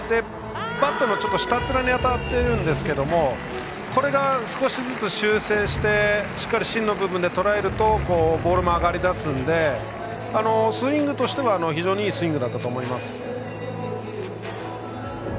バットの下っ面に当たっていたんですがこれを少しずつ修正してしっかり芯の部分でとらえるとボールも上がりだすのでスイングとしては非常にいいスイングだったと思います。